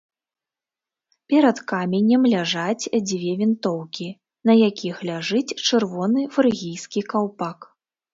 Перад каменем ляжаць дзве вінтоўкі, на якіх ляжыць чырвоны фрыгійскі каўпак.